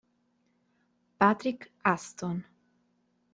Patrick Huston